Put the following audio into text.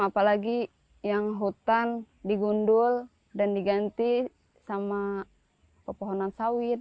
apalagi yang hutan digundul dan diganti sama pepohonan sawit